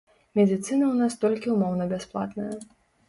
Медыцына ў нас толькі ўмоўна бясплатная.